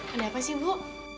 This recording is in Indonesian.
ada apa sih bu